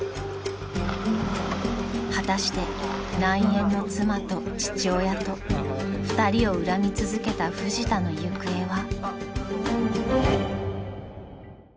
［果たして内縁の妻と父親と２人を恨み続けたフジタの行方は？］